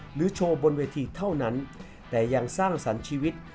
โชว์บนเวทีเท่านั้นแต่ยังสร้างสรรค์ชีวิต